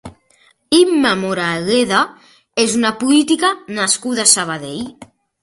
Imma Moraleda és una política nascuda a Sabadell.